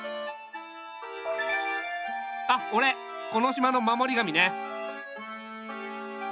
あっおれこの島の守り神ね。